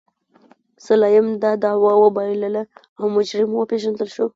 سلایم دا دعوه وبایلله او مجرم وپېژندل شو.